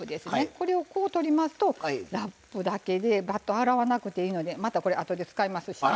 これをこう取りますとラップだけでバット洗わなくていいのでまたこれあとで使いますしね。